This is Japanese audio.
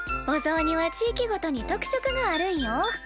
おぞうには地域ごとに特色があるんよ。